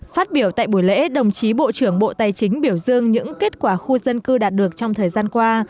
phát biểu tại buổi lễ đồng chí bộ trưởng bộ tài chính biểu dương những kết quả khu dân cư đạt được trong thời gian qua